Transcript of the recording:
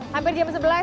hampir jam sebelas ya